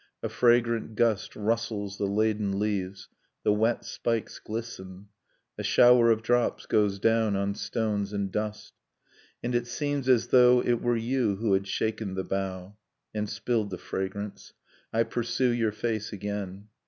. .a fragrant gust Rustles the laden leaves, the wet spikes glisten, A shower of drops goes down on stones and dust. And it seems as though it were you who had shaken the bough. And spilled the fragrance — I pursue your face again.